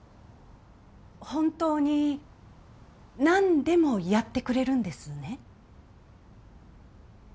本当に何でもやってくれるんですね？